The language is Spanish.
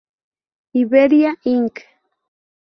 Iberia Inc.